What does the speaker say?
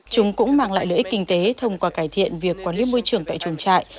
chúng cũng mang lại lợi ích kinh tế thông qua cải thiện việc quản lý môi trường tại chuồng trại